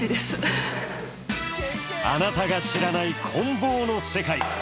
あなたが知らないこん棒の世界。